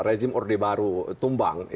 rezim orde baru tumbang